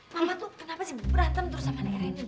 mama tuh kenapa sih berantem terus sama nek rini